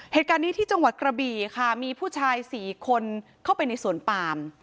เหตุการณ์นี้ที่จังหวัดกระบี่ค่ะมีผู้ชาย๔คนเข้าไปในสวนปาม